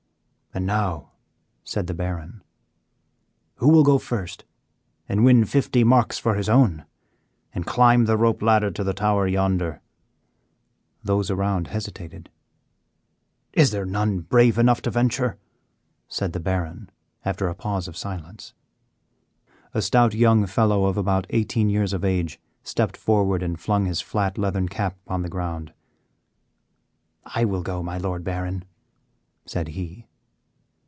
"And now," said the Baron, "who will go first and win fifty marks for his own, and climb the rope ladder to the tower yonder?" Those around hesitated. "Is there none brave enough to venture?" said the Baron, after a pause of silence. A stout, young fellow, of about eighteen years of age, stepped forward and flung his flat leathern cap upon the ground. "I will go, my Lord Baron," said he.